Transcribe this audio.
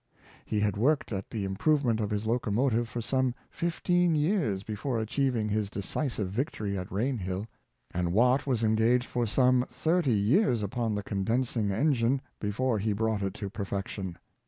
He had worked at the im provement of his locomotive for some fifteen years be fore achieving his decisive victory at Rainhill; and Watt was engaged for some thirty years upon the con densing engine before he brought it to perfection.